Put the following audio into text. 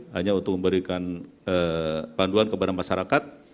hanya untuk memberikan panduan kepada masyarakat